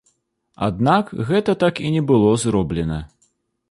Аднак гэта так і не было зроблена.